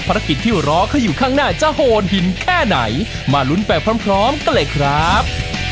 ภารกิจที่รอเขาอยู่ข้างหน้าจะโหดหินแค่ไหนมาลุ้นไปพร้อมกันเลยครับ